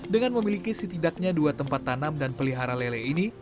dengan memiliki setidaknya dua tempat tanam dan pelihara lele ini